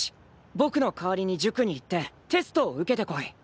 ぼくの代わりに塾に行ってテストを受けてこい！